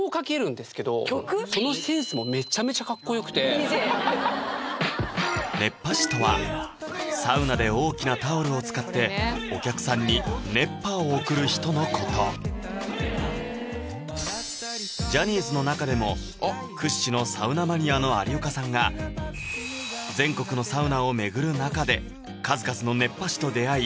あの曲⁉熱波師とはサウナで大きなタオルを使ってお客さんに熱波を送る人のことジャニーズの中でも屈指のサウナマニアの有岡さんが全国のサウナを巡る中で数々の熱波師と出会い